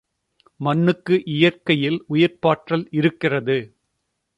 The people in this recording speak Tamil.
மண்ணுக்கு இயற்கையில் உயிர்ப்பாற்றல் இருக்கிறது.